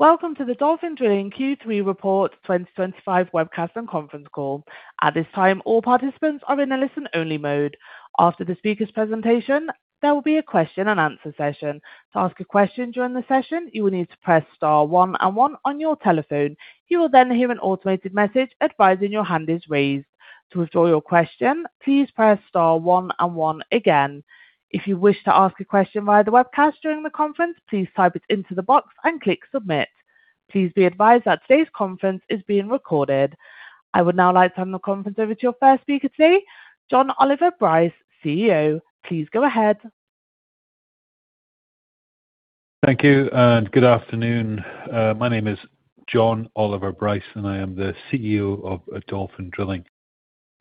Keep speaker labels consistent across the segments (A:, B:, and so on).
A: Welcome to the Dolphin Drilling Q3 Report 2025 webcast and conference call. At this time, all participants are in a listen-only mode. After the speaker's presentation, there will be a question-and-answer session. To ask a question during the session, you will need to press star one and one on your telephone. You will then hear an automated message advising your hand is raised. To withdraw your question, please press star one and one again. If you wish to ask a question via the webcast during the conference, please type it into the box and click submit. Please be advised that today's conference is being recorded. I would now like to hand the conference over to your first speaker today, Jon Oliver Bryce, CEO. Please go ahead.
B: Thank you, and good afternoon. My name is Jon Oliver Bryce, and I am the CEO of Dolphin Drilling.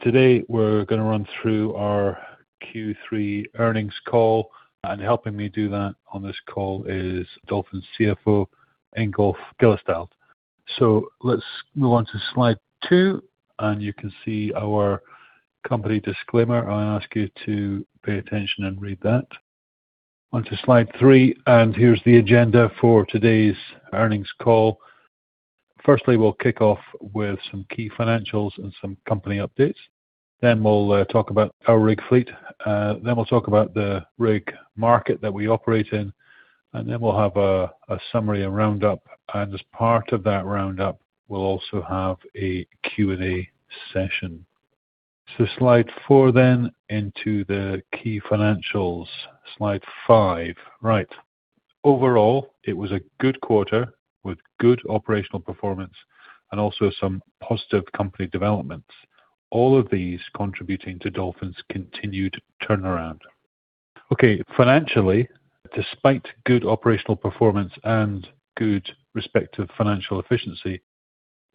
B: Today, we're going to run through our Q3 earnings call, and helping me do that on this call is Dolphin's CFO, Ingolf Gillesdal. Let's move on to slide two, and you can see our company disclaimer. I'll ask you to pay attention and read that. Onto slide three, and here's the agenda for today's earnings call. Firstly, we'll kick off with some key financials and some company updates. Then we'll talk about our rig fleet. Then we'll talk about the rig market that we operate in, and then we'll have a summary and roundup. As part of that roundup, we'll also have a Q&A session. Slide four then into the key financials. Slide five. Right. Overall, it was a good quarter with good operational performance and also some positive company developments, all of these contributing to Dolphin's continued turnaround. Okay. Financially, despite good operational performance and good respective financial efficiency,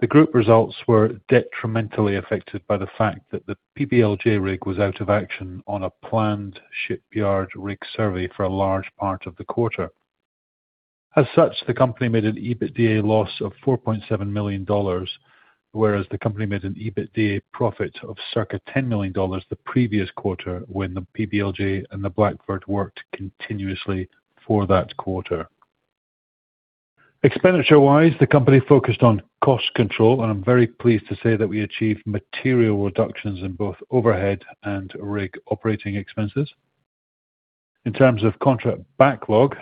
B: the group results were detrimentally affected by the fact that the PBLJ rig was out of action on a planned shipyard rig survey for a large part of the quarter. As such, the company made an EBITDA loss of $4.7 million, whereas the company made an EBITDA profit of circa $10 million the previous quarter when the PBLJ and the Blackford worked continuously for that quarter. Expenditure-wise, the company focused on cost control, and I'm very pleased to say that we achieved material reductions in both overhead and rig operating expenses. In terms of contract backlog,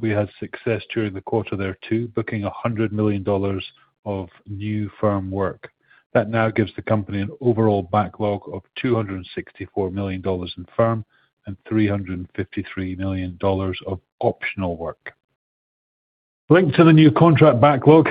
B: we had success during the quarter there too, booking $100 million of new firm work. That now gives the company an overall backlog of $264 million in firm and $353 million of optional work. Linked to the new contract backlog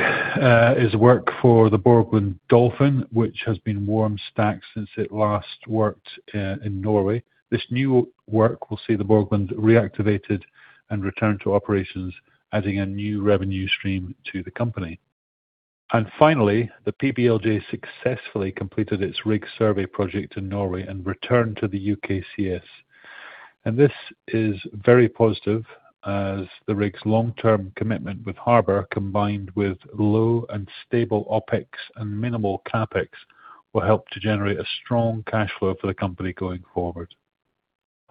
B: is work for the Borgland Dolphin, which has been warm-stacked since it last worked in Norway. This new work will see the Borgland reactivated and returned to operations, adding a new revenue stream to the company. Finally, the PBLJ successfully completed its rig survey project in Norway and returned to the UKCS. This is very positive as the rig's long-term commitment with Harbour, combined with low and stable OpEx and minimal CapEx, will help to generate a strong cash flow for the company going forward.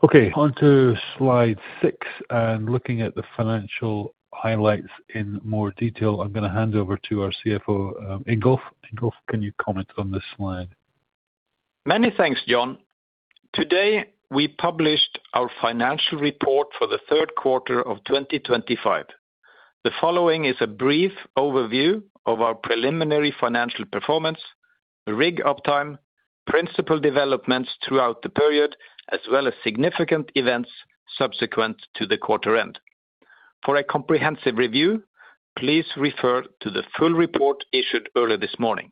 B: Okay. Onto slide six and looking at the financial highlights in more detail, I'm going to hand over to our CFO, Ingolf. Ingolf, can you comment on this slide?
C: Many thanks, Jon. Today, we published our financial report for the third quarter of 2025. The following is a brief overview of our preliminary financial performance, rig uptime, principal developments throughout the period, as well as significant events subsequent to the quarter end. For a comprehensive review, please refer to the full report issued earlier this morning.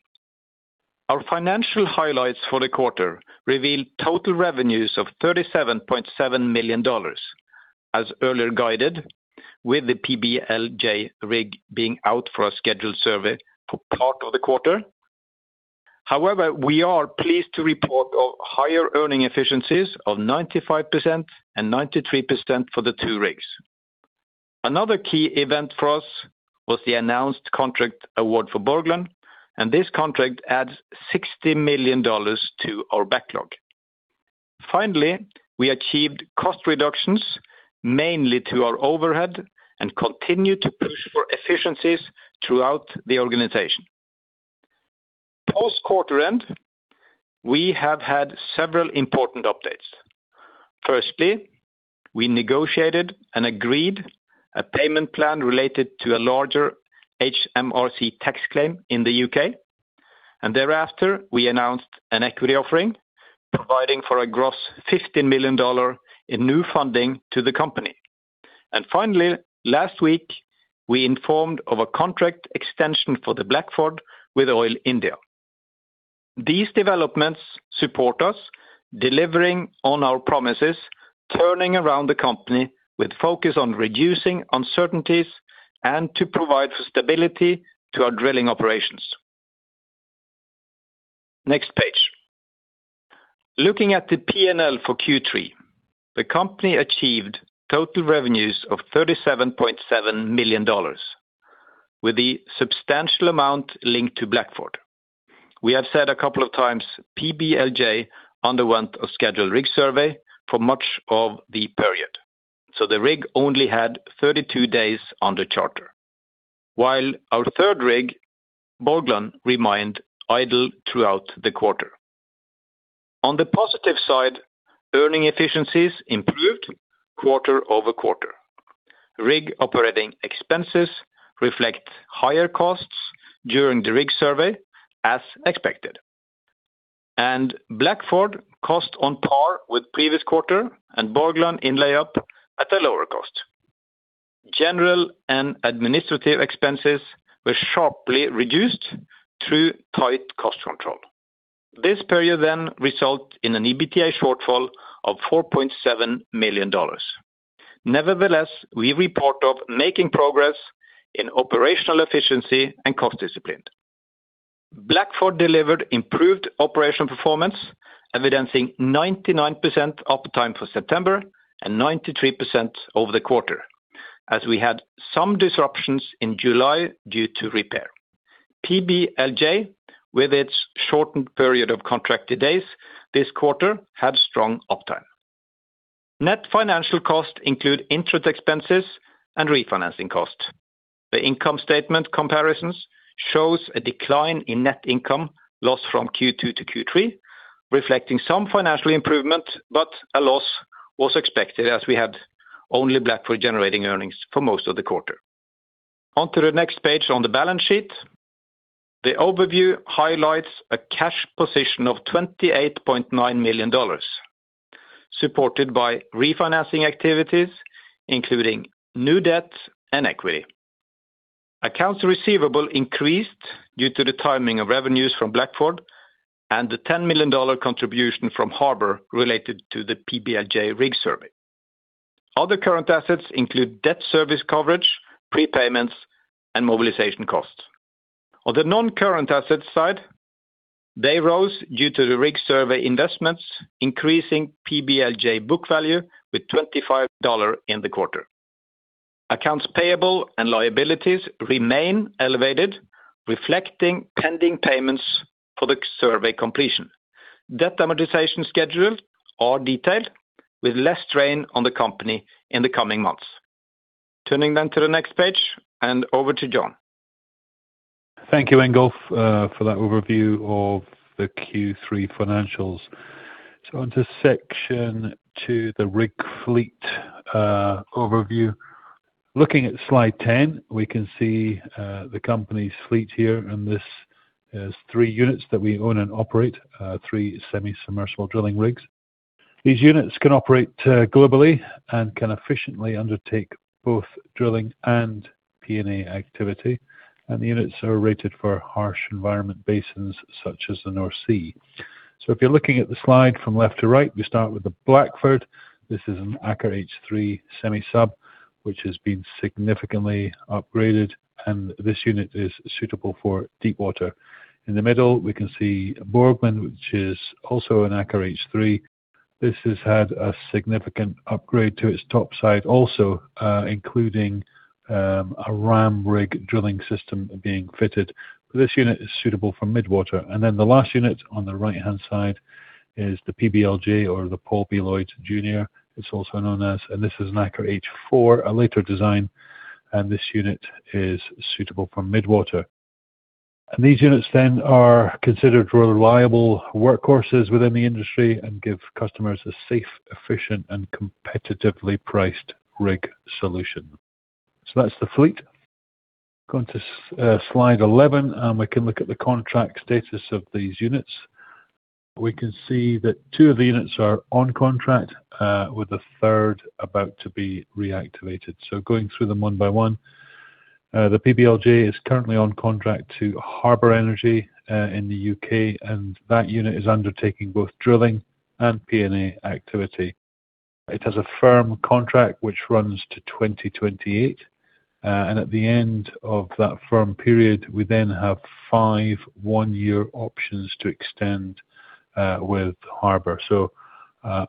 C: Our financial highlights for the quarter revealed total revenues of $37.7 million, as earlier guided, with the PBLJ rig being out for a scheduled survey for part of the quarter. However, we are pleased to report higher earning efficiencies of 95% and 93% for the two rigs. Another key event for us was the announced contract award for Borgland, and this contract adds $60 million to our backlog. Finally, we achieved cost reductions mainly to our overhead and continue to push for efficiencies throughout the organization. Post-quarter end, we have had several important updates. Firstly, we negotiated and agreed a payment plan related to a larger HMRC tax claim in the U.K. Thereafter, we announced an equity offering, providing for a gross $15 million in new funding to the company. Finally, last week, we informed of a contract extension for the Blackford with Oil India. These developments support us delivering on our promises, turning around the company with focus on reducing uncertainties and to provide for stability to our drilling operations. Next page. Looking at the P&L for Q3, the company achieved total revenues of $37.7 million, with the substantial amount linked to Blackford. We have said a couple of times PBLJ underwent a scheduled rig survey for much of the period, so the rig only had 32 days under charter, while our third rig, Borgland, remained idle throughout the quarter. On the positive side, earning efficiencies improved quarter over quarter. Rig operating expenses reflect higher costs during the rig survey, as expected. Blackford cost on par with previous quarter, and Borgland in layup at a lower cost. General and administrative expenses were sharply reduced through tight cost control. This period then resulted in an EBITDA shortfall of $4.7 million. Nevertheless, we report on making progress in operational efficiency and cost discipline. Blackford delivered improved operational performance, evidencing 99% uptime for September and 93% over the quarter, as we had some disruptions in July due to repair. PBLJ, with its shortened period of contracted days this quarter, had strong uptime. Net financial costs include interest expenses and refinancing costs. The income statement comparisons show a decline in net income lost from Q2 to Q3, reflecting some financial improvement, but a loss was expected as we had only Blackford generating earnings for most of the quarter. Onto the next page on the balance sheet. The overview highlights a cash position of $28.9 million, supported by refinancing activities, including new debt and equity. Accounts receivable increased due to the timing of revenues from Blackford and the $10 million contribution from Harbour related to the PBLJ rig survey. Other current assets include debt service coverage, prepayments, and mobilization costs. On the non-current assets side, they rose due to the rig survey investments, increasing PBLJ book value with $25 million in the quarter. Accounts payable and liabilities remain elevated, reflecting pending payments for the survey completion. Debt amortization schedules are detailed, with less strain on the company in the coming months. Turning then to the next page and over to Jon.
B: Thank you, Ingolf, for that overview of the Q3 financials. Onto section two, the rig fleet overview. Looking at slide 10, we can see the company's fleet here, and this is three units that we own and operate, three semi-submersible drilling rigs. These units can operate globally and can efficiently undertake both drilling and P&A activity. The units are rated for harsh environment basins such as the North Sea. If you're looking at the slide from left to right, we start with the Blackford. This is an Aker H-3 semi-sub, which has been significantly upgraded, and this unit is suitable for deep water. In the middle, we can see Borgland, which is also an Aker H-3. This has had a significant upgrade to its top side, also including a RamRig drilling system being fitted. This unit is suitable for midwater. The last unit on the right-hand side is the PBLJ, or the Paul B. Loyd Jr., it's also known as, and this is an Aker H-4, a later design, and this unit is suitable for midwater. These units then are considered reliable workhorses within the industry and give customers a safe, efficient, and competitively priced rig solution. That is the fleet. Going to slide 11, we can look at the contract status of these units. We can see that two of the units are on contract, with the third about to be reactivated. Going through them one by one, the PBLJ is currently on contract to Harbour Energy in the U.K., and that unit is undertaking both drilling and P&A activity. It has a firm contract which runs to 2028, and at the end of that firm period, we then have five one-year options to extend with Harbour.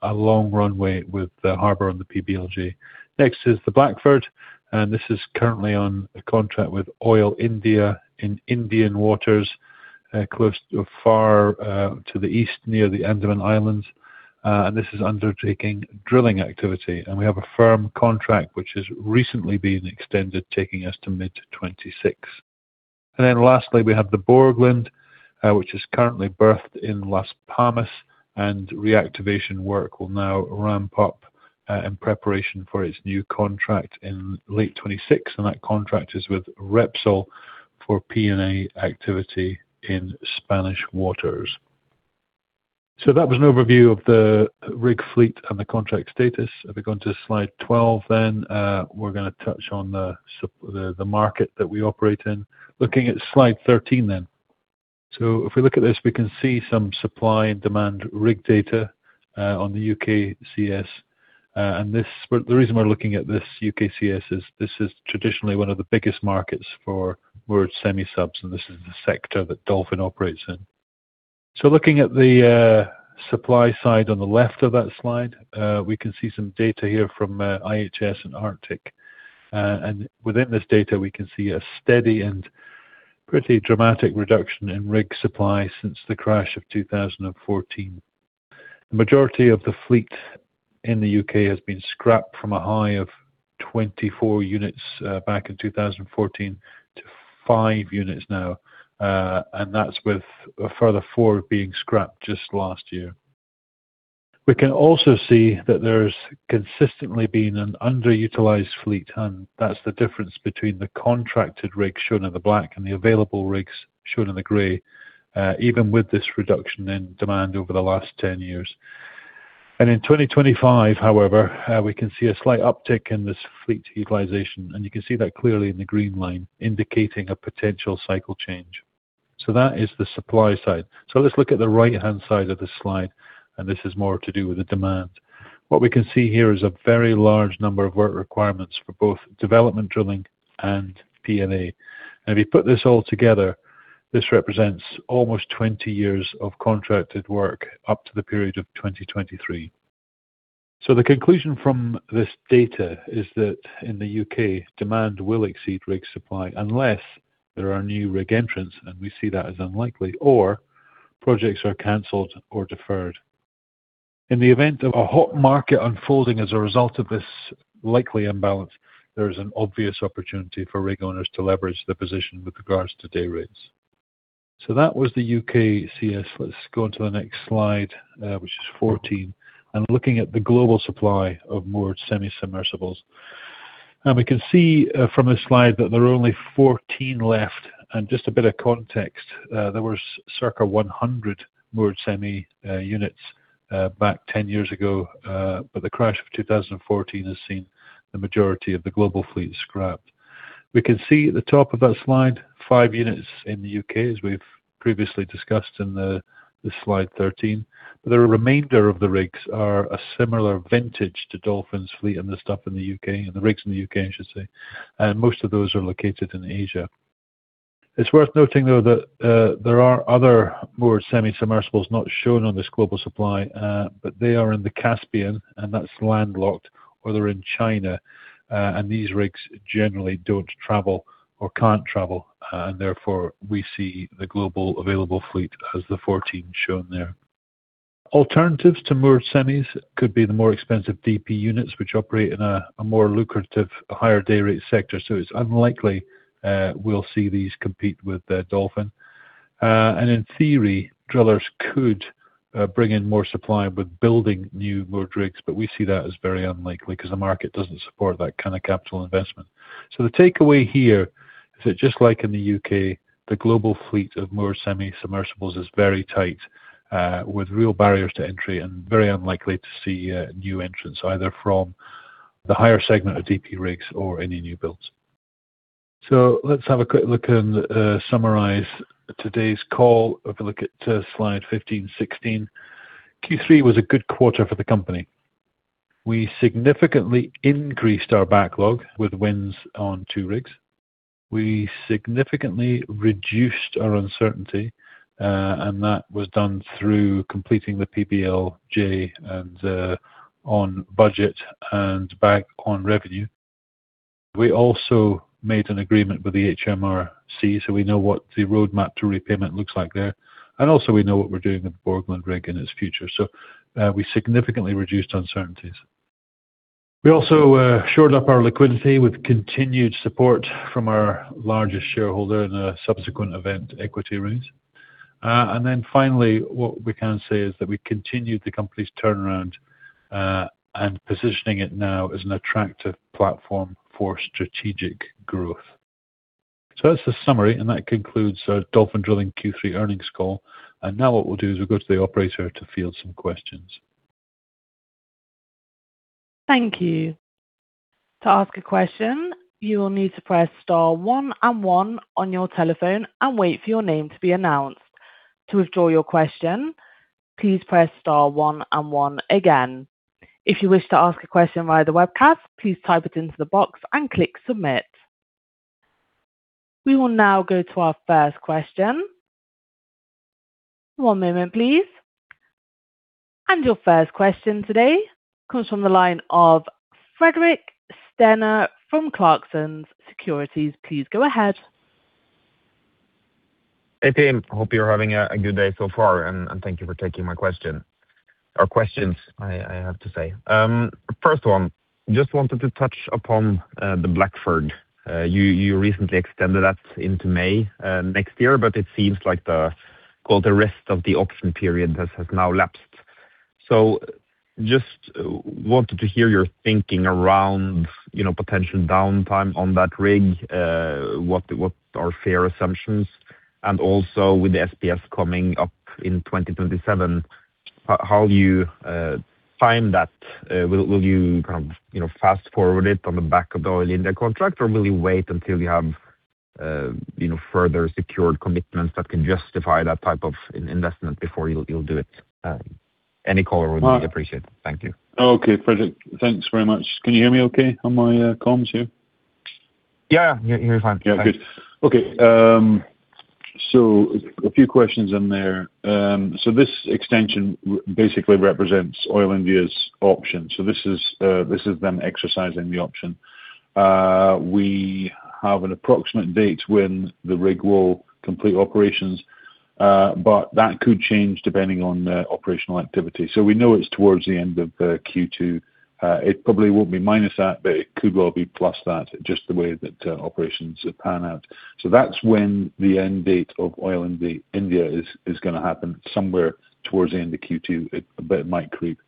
B: A long runway with Harbour and the PBLJ. Next is the Blackford, and this is currently on a contract with Oil India in Indian waters, close to far to the east, near the Andaman Islands. This is undertaking drilling activity, and we have a firm contract which has recently been extended, taking us to mid-2026. Lastly, we have the Borgland, which is currently berthed in Las Palmas, and reactivation work will now ramp up in preparation for its new contract in late 2026, and that contract is with Repsol for P&A activity in Spanish waters. That was an overview of the rig fleet and the contract status. If we go to slide 12, we're going to touch on the market that we operate in. Looking at slide 13. If we look at this, we can see some supply and demand rig data on the UKCS. The reason we're looking at this UKCS is this is traditionally one of the biggest markets for large semi-subs, and this is the sector that Dolphin operates in. Looking at the supply side on the left of that slide, we can see some data here from IHS and Arctic. Within this data, we can see a steady and pretty dramatic reduction in rig supply since the crash of 2014. The majority of the fleet in the U.K. has been scrapped from a high of 24 units back in 2014 to 5 units now, and that's with a further 4 being scrapped just last year. We can also see that there's consistently been an underutilized fleet, and that's the difference between the contracted rigs shown in the black and the available rigs shown in the gray, even with this reduction in demand over the last 10 years. In 2025, however, we can see a slight uptick in this fleet utilization, and you can see that clearly in the green line, indicating a potential cycle change. That is the supply side. Let's look at the right-hand side of the slide, and this is more to do with the demand. What we can see here is a very large number of work requirements for both development drilling and P&A. If you put this all together, this represents almost 20 years of contracted work up to the period of 2023. The conclusion from this data is that in the U.K., demand will exceed rig supply unless there are new rig entrants, and we see that as unlikely, or projects are canceled or deferred. In the event of a hot market unfolding as a result of this likely imbalance, there is an obvious opportunity for rig owners to leverage the position with regards to day rates. That was the UKCS. Let's go on to the next slide, which is 14, and looking at the global supply of moored semi-submersibles. We can see from this slide that there are only 14 left, and just a bit of context, there were circa 100 moored semi units back 10 years ago, but the crash of 2014 has seen the majority of the global fleet scrapped. We can see at the top of that slide, five units in the U.K., as we've previously discussed in this slide 13. The remainder of the rigs are a similar vintage to Dolphin's fleet and the stuff in the U.K., and the rigs in the U.K., I should say, and most of those are located in Asia. It's worth noting, though, that there are other moored semi-submersibles not shown on this global supply, but they are in the Caspian, and that's landlocked, or they're in China, and these rigs generally don't travel or can't travel, and therefore we see the global available fleet as the 14 shown there. Alternatives to moored semis could be the more expensive DP units, which operate in a more lucrative, higher day rate sector, so it's unlikely we'll see these compete with Dolphin. In theory, drillers could bring in more supply with building new moored rigs, but we see that as very unlikely because the market does not support that kind of capital investment. The takeaway here is that just like in the U.K., the global fleet of moored semi-submersibles is very tight, with real barriers to entry, and very unlikely to see new entrants, either from the higher segment of DP rigs or any new builds. Let's have a quick look and summarize today's call. If we look at slide 15, 16, Q3 was a good quarter for the company. We significantly increased our backlog with wins on two rigs. We significantly reduced our uncertainty, and that was done through completing the PBLJ and on budget and back on revenue. We also made an agreement with the HMRC, so we know what the roadmap to repayment looks like there. We know what we're doing with the Borgland rig in its future. We significantly reduced uncertainties. We also shored up our liquidity with continued support from our largest shareholder in a subsequent event, equity raise. Finally, what we can say is that we continued the company's turnaround and positioning it now as an attractive platform for strategic growth. That is the summary, and that concludes our Dolphin Drilling Q3 earnings call. Now what we'll do is go to the operator to field some questions.
A: Thank you. To ask a question, you will need to press star one and one on your telephone and wait for your name to be announced. To withdraw your question, please press star one and one again. If you wish to ask a question via the webcast, please type it into the box and click submit. We will now go to our first question. One moment, please. Your first question today comes from the line of Fredrik Stene from Clarksons Securities. Please go ahead.
D: Hey, team. Hope you're having a good day so far, and thank you for taking my question or questions, I have to say. First one, just wanted to touch upon the Blackford. You recently extended that into May next year, but it seems like the rest of the option period has now lapsed. Just wanted to hear your thinking around potential downtime on that rig, what are fair assumptions, and also with the SPS coming up in 2027, how do you time that? Will you kind of fast forward it on the back of the Oil India contract, or will you wait until you have further secured commitments that can justify that type of investment before you'll do it? Any color would be appreciated. Thank you.
B: Okay, Fredrik. Thanks very much. Can you hear me okay on my comms here?
D: Yeah, yeah. You're fine.
B: Yeah, good. Okay. A few questions in there. This extension basically represents Oil India's option. This is them exercising the option. We have an approximate date when the rig will complete operations, but that could change depending on operational activity. We know it's towards the end of Q2. It probably won't be minus that, but it could well be plus that, just the way that operations pan out. That's when the end date of Oil India is going to happen, somewhere towards the end of Q2, but it might creep.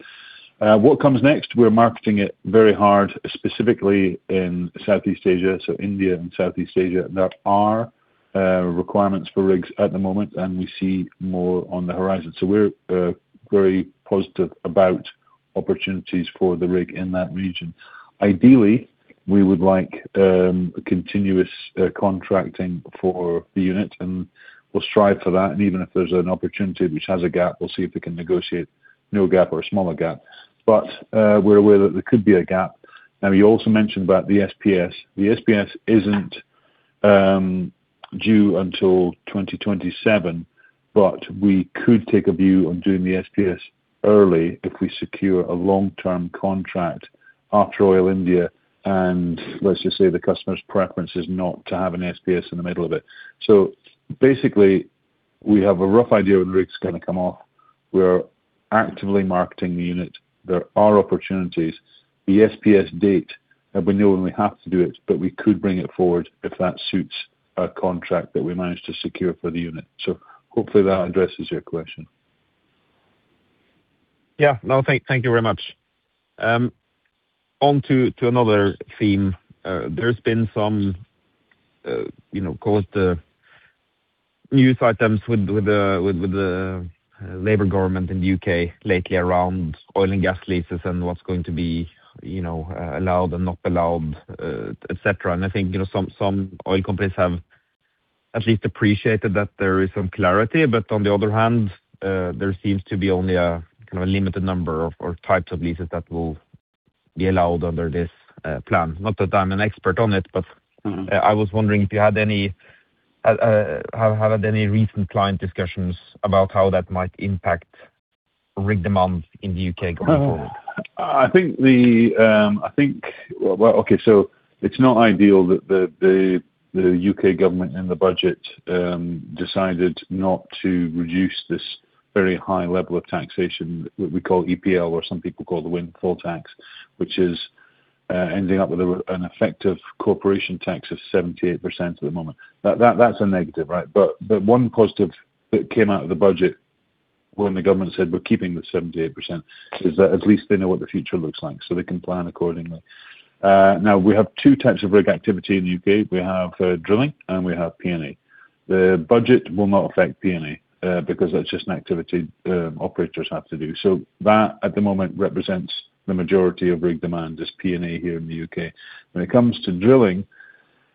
B: What comes next? We're marketing it very hard, specifically in Southeast Asia, so India and Southeast Asia. There are requirements for rigs at the moment, and we see more on the horizon. We're very positive about opportunities for the rig in that region. Ideally, we would like continuous contracting for the unit, and we'll strive for that. Even if there's an opportunity which has a gap, we'll see if we can negotiate no gap or a smaller gap. We are aware that there could be a gap. You also mentioned about the SPS. The SPS is not due until 2027, but we could take a view on doing the SPS early if we secure a long-term contract after Oil India, and let's just say the customer's preference is not to have an SPS in the middle of it. Basically, we have a rough idea when the rig's going to come off. We are actively marketing the unit. There are opportunities. The SPS date, we know when we have to do it, but we could bring it forward if that suits a contract that we manage to secure for the unit. Hopefully that addresses your question.
D: Yeah. No, thank you very much. On to another theme. There's been some news items with the Labour government in the U.K. lately around oil and gas leases and what's going to be allowed and not allowed, etc. I think some oil companies have at least appreciated that there is some clarity, but on the other hand, there seems to be only a kind of limited number or types of leases that will be allowed under this plan. Not that I'm an expert on it, but I was wondering if you had any recent client discussions about how that might impact rig demand in the U.K. going forward?
B: I think the—okay. It is not ideal that the U.K. government in the budget decided not to reduce this very high level of taxation that we call EPL, or some people call the windfall tax, which is ending up with an effective corporation tax of 78% at the moment. That is a negative, right? One positive that came out of the budget when the government said, "We're keeping the 78%," is that at least they know what the future looks like, so they can plan accordingly. Now, we have two types of rig activity in the U.K. We have drilling, and we have P&A. The budget will not affect P&A because that is just an activity operators have to do. At the moment, that represents the majority of rig demand, is P&A here in the U.K. When it comes to drilling,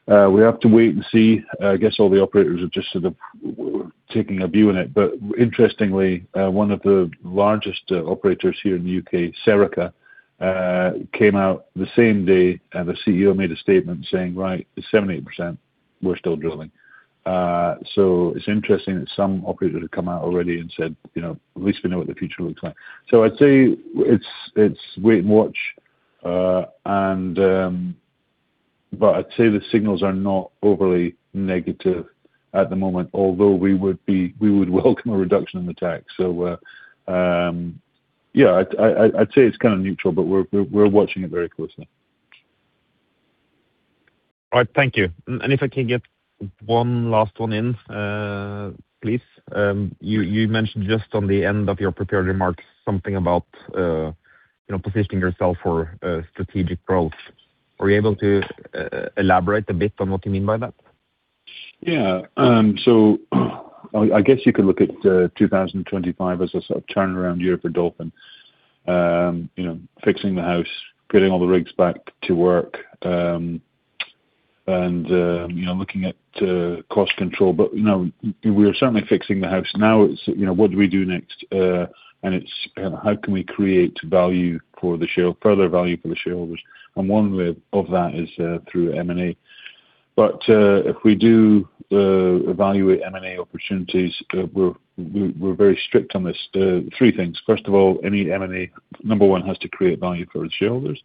B: we have to wait and see. I guess all the operators are just sort of taking a view on it. Interestingly, one of the largest operators here in the U.K., Serica, came out the same day, and the CEO made a statement saying, "Right, it's 78%. We're still drilling." It is interesting that some operators have come out already and said, "At least we know what the future looks like." I would say it's wait and watch. I would say the signals are not overly negative at the moment, although we would welcome a reduction in the tax. Yeah, I would say it's kind of neutral, but we're watching it very closely.
D: All right. Thank you. If I can get one last one in, please? You mentioned just on the end of your prepared remarks something about positioning yourself for strategic growth. Are you able to elaborate a bit on what you mean by that?
B: Yeah. I guess you could look at 2025 as a sort of turnaround year for Dolphin, fixing the house, getting all the rigs back to work, and looking at cost control. We're certainly fixing the house. Now it's, "What do we do next?" It's, "How can we create value for the shareholders, further value for the shareholders?" One way of that is through M&A. If we do evaluate M&A opportunities, we're very strict on this. Three things. First of all, any M&A, number one, has to create value for the shareholders.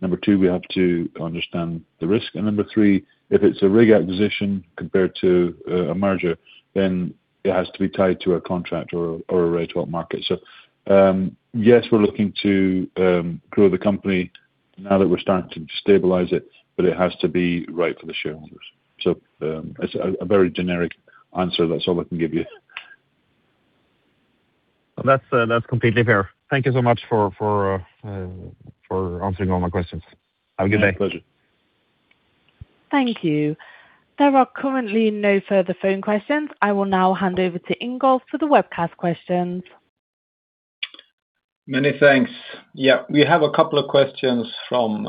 B: Number two, we have to understand the risk. Number three, if it's a rig acquisition compared to a merger, then it has to be tied to a contract or a right-to-out market. Yes, we're looking to grow the company now that we're starting to stabilize it, but it has to be right for the shareholders. It's a very generic answer. That's all I can give you.
D: That's completely fair. Thank you so much for answering all my questions. Have a good day.
B: My pleasure.
A: Thank you. There are currently no further phone questions. I will now hand over to Ingolf for the webcast questions.
C: Many thanks. Yeah. We have a couple of questions from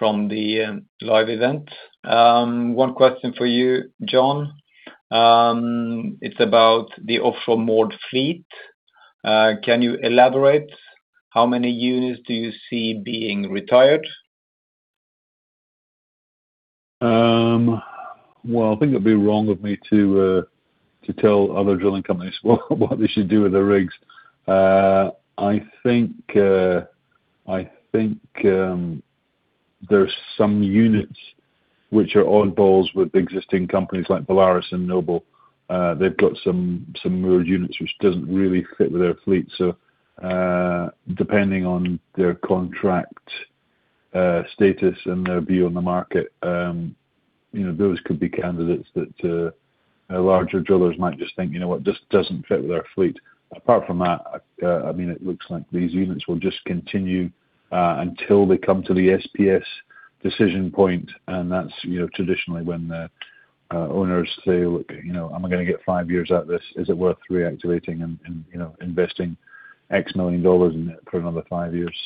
C: the live event. One question for you, Jon. It's about the offshore moored fleet. Can you elaborate? How many units do you see being retired?
B: I think it'd be wrong of me to tell other drilling companies what they should do with their rigs. I think there's some units which are oddballs with existing companies like Polaris and Noble. They've got some moored units which don't really fit with their fleet. Depending on their contract status and their view on the market, those could be candidates that larger drillers might just think, "You know what? This doesn't fit with our fleet." Apart from that, I mean, it looks like these units will just continue until they come to the SPS decision point. That's traditionally when the owners say, "Look, am I going to get five years out of this? Is it worth reactivating and investing X million dollars in it for another five years?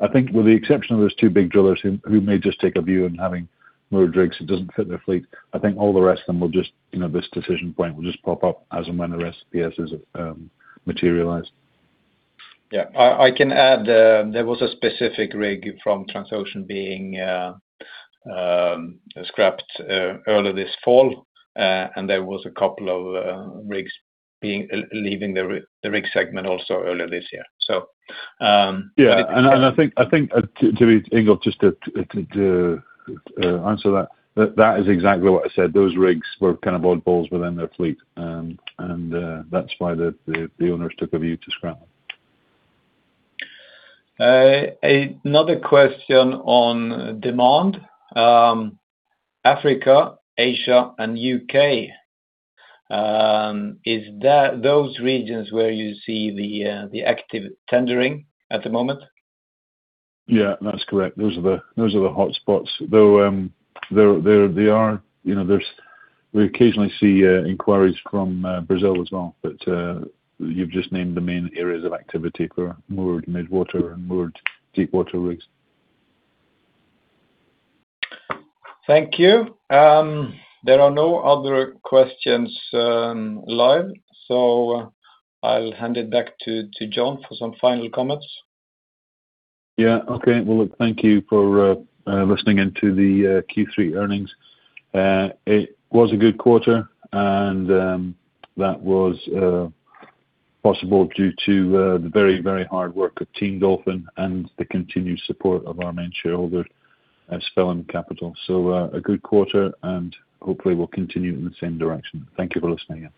B: I think with the exception of those two big drillers who may just take a view on having moored rigs that do not fit their fleet, I think all the rest of them will just—this decision point will just pop up as and when the rest of the SPS is materialized.
C: Yeah. I can add there was a specific rig from Transocean being scrapped earlier this fall, and there was a couple of rigs leaving the rig segment also earlier this year.
B: Yeah. I think, to meet Ingolf, just to answer that, that is exactly what I said. Those rigs were kind of oddballs within their fleet. That is why the owners took a view to scrap.
C: Another question on demand. Africa, Asia, and U.K. Is that those regions where you see the active tendering at the moment?
B: Yeah, that's correct. Those are the hotspots. Though they are—we occasionally see inquiries from Brazil as well, but you've just named the main areas of activity for moored midwater and moored deepwater rigs.
C: Thank you. There are no other questions live, so I'll hand it back to Jon for some final comments.
B: Okay. Thank you for listening into the Q3 earnings. It was a good quarter, and that was possible due to the very, very hard work of Team Dolphin and the continued support of our main shareholder, Svelland Capital. A good quarter, and hopefully, we'll continue in the same direction. Thank you for listening in.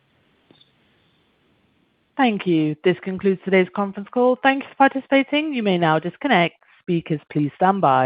A: Thank you. This concludes today's conference call. Thank you for participating. You may now disconnect. Speakers, please stand by.